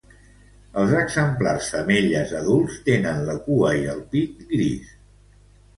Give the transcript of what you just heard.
Els exemplars femelles adults tenen la cua i el pit gris.